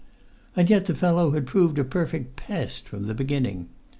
And yet the fellow had proved a perfect pest from the beginning.